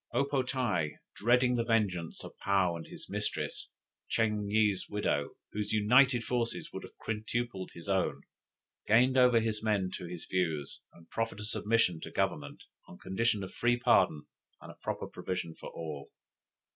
O po tae dreading the vengeance of Paou and his mistress, Ching yih's widow, whose united forces would have quintupled his own, gained over his men to his views, and proffered a submission to Government, on condition of free pardon, and a proper provision for all.